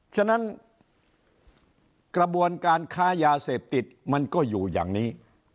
ฉะนั้นกระบวนการค้ายาเสพติดมันก็อยู่อย่างนี้